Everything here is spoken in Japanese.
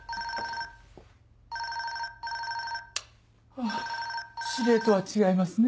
あっ指令とは違いますね。